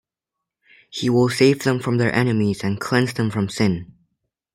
He will save them from their enemies and cleanse them from sin.